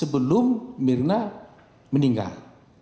belum myrna meninggal